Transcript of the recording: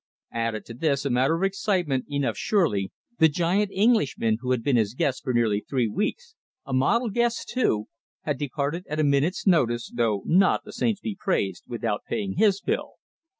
Added to this a matter of excitement enough surely the giant Englishman, who had been his guest for nearly three weeks a model guest too, had departed at a minute's notice, though not, the saints be praised, without paying his bill.